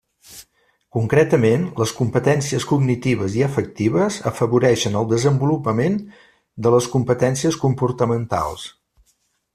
Concretament, les competències cognitives i afectives afavoreixen el desenvolupament de les competències comportamentals.